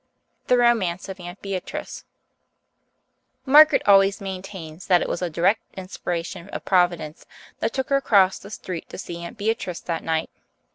The Romance of Aunt Beatrice Margaret always maintains that it was a direct inspiration of Providence that took her across the street to see Aunt Beatrice that night.